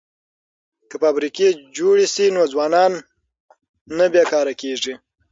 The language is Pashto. که فابریکې جوړې شي نو ځوانان نه بې کاره کیږي.